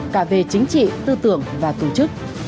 cả về chính trị tư tưởng và tổ chức